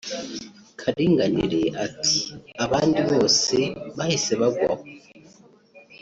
Karinganire ati “ abandi bose bahise bagwa aho